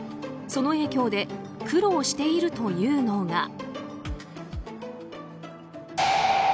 その影響で苦労しているというのが。